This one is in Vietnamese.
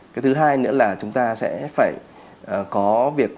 cái thứ hai nữa là chúng ta sẽ phải có việc